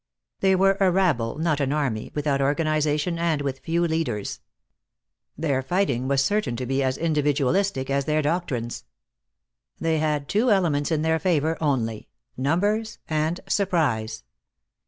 They were a rabble, not an army, without organization and with few leaders. Their fighting was certain to be as individualistic as their doctrines. They had two elements in their favor only, numbers and surprise.